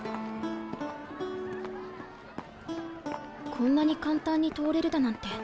こんなに簡単に通れるだなんて。